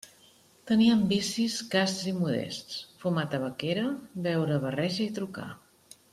Tenien vicis casts i modests: fumar tabaquera, beure barreja i trucar.